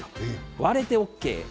割れてＯＫ。